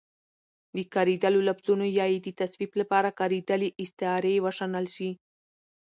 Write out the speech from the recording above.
د کارېدلو لفظونو يا يې د توصيف لپاره کارېدلې استعارې وشنل شي